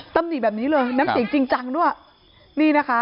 ตำหนี่แบบนี้เลยน้ำเสียงจริงจังด้วย